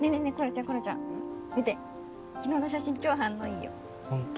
ちゃんころちゃん見て昨日の写真超反応いいよホント？